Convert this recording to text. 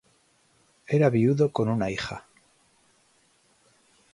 Era viudo con una hija.